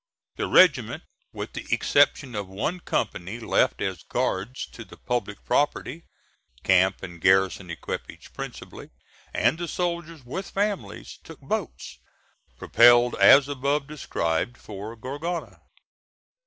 The regiment, with the exception of one company left as guards to the public property camp and garrison equipage principally and the soldiers with families, took boats, propelled as above described, for Gorgona.